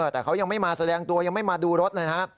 แต่เขายังไม่มาแสดงตัวยังไม่มาดูรถเลยนะครับ